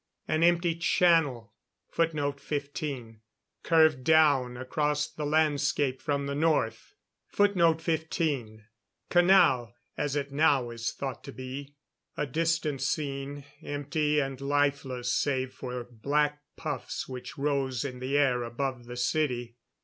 An empty channel curved down across the landscape from the north. [Footnote 15: Canal, as it now is thought to be.] A distant scene, empty and lifeless save for black puffs which rose in the air above the city.